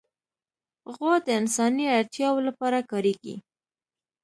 غوا د انساني اړتیاوو لپاره کارېږي.